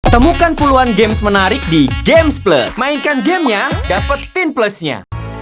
hai temukan puluhan games menarik di games plus mainkan gamenya dapetin plusnya